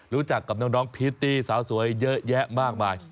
รู้จักกับน้องพิตตี้สาวสวยเยอะแยะมากมาย